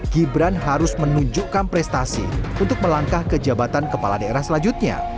gibran harus menunjukkan prestasi untuk melangkah ke jabatan kepala daerah selanjutnya